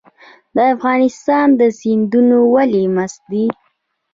د افغانستان سیندونه ولې مست دي؟